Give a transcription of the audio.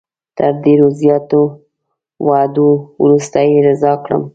تر ډېرو زیاتو وعدو وروسته یې رضا کړم.